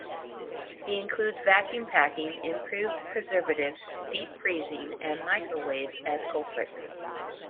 He includes vacuum packing, improved preservatives, deep freezing, and microwaves as culprits.